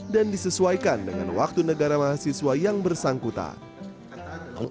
dan disesuaikan dengan waktu negara mahasiswa yang bersangkutan